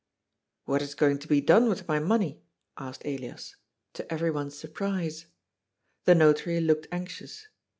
"What is going to be done with my money?" asked Elias — to everyone's surprise. The Notary looked anxious.